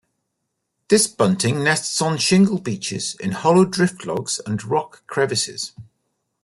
This bunting nests on shingle beaches in hollow drift logs and rock crevices.